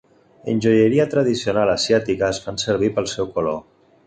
En joieria tradicional asiàtica es fan servir pel seu color.